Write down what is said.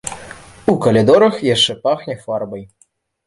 У калідорах яшчэ пахне фарбай.